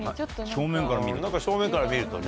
正面から見ると。